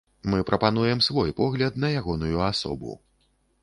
Мы прапануем свой погляд на ягоную асобу.